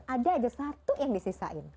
ada satu yang disisain